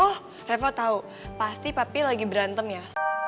oh reva tau pasti papi lagi berantem ya